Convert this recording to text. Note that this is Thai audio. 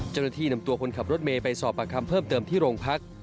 เจ้าหน้าที่นำตัวคนขับรถเมย์ไปสอบปากคำเพิ่มเติมที่โรงพัก